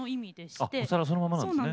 あお皿そのままなんですね。